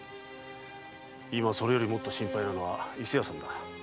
今それよりもっと心配なのは伊勢屋さんだ。